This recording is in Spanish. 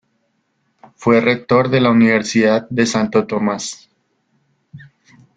Fue rector de la Universidad de Santo Tomás.